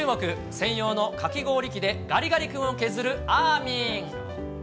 専用のかき氷機でガリガリ君を削るあーみん。